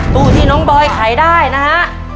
ตู้ที่น้องบอยขายได้นะฮะ